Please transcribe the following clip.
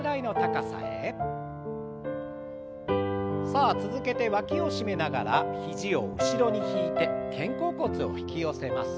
さあ続けてわきを締めながら肘を後ろに引いて肩甲骨を引き寄せます。